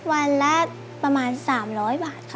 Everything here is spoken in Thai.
วันละประมาณ๓๐๐บาทค่ะ